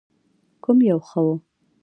کوم یو ښه و؟